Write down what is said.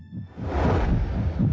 giliran lu deket sama orang lain